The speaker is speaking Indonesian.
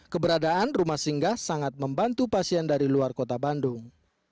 keberadaan rumah singgah sangat membantu pasien dari luar kota bandung